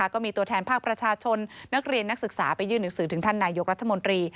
ก็มีตัวแทนภาคประชาชนนักเรียนนักศึกษาไปยื่นหนังสือถึงท่านนายกรัฐมนตรี